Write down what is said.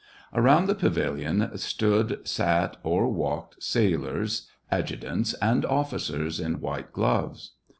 Around the pavilion stood, sat, or walked sailors, adju tants, and officers in white gloves.